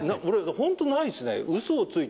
本当、ないですね。